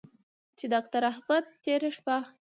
چې داکتر احمد تېره شپه